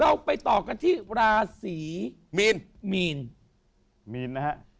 เราไปต่อกันที่ราศีมีน